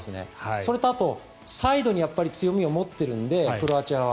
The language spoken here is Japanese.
それと、サイドに強みを持っているので、クロアチアは。